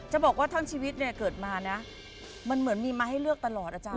จะบอกว่าทั้งชีวิตเนี่ยเกิดมานะมันเหมือนมีมาให้เลือกตลอดอาจารย